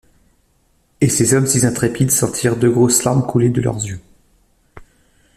Et ces hommes si intrépides sentirent deux grosses larmes couler de leurs yeux.